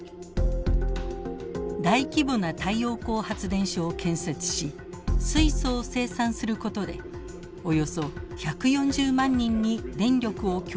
大規模な太陽光発電所を建設し水素を生産することでおよそ１４０万人に電力を供給しようとしています。